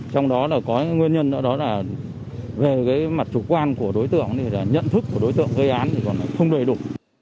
trong đó là có nguyên nhân nữa đó là về cái mặt chủ quan của đối tượng thì là nhận thức của đối tượng gây án thì còn không đầy đủ